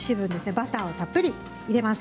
バターをたっぷり入れます。